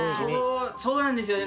そうなんですよね。